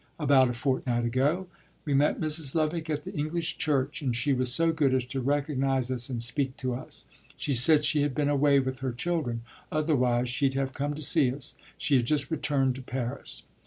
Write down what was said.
"About a fortnight ago. We met Mrs. Lovick at the English church, and she was so good as to recognise us and speak to us. She said she had been away with her children otherwise she'd have come to see us. She had just returned to Paris."